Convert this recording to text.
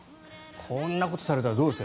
こんなことされたらどうですか？